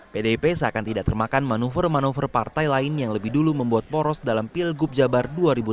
pdip seakan tidak termakan manuver manuver partai lain yang lebih dulu membuat poros dalam pilgub jabar dua ribu delapan belas